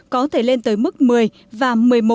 có thể lên tới mức một mươi và một mươi một